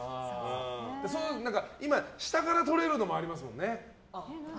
今、下からとれるのもありますもんね。